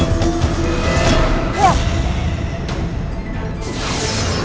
tampapan mereka terkadang terkecil